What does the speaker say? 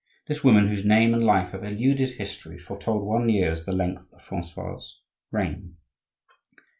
This woman, whose name and life have eluded history, foretold one year as the length of Francois's reign.